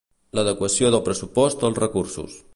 L'adequació del pressupost als recursos.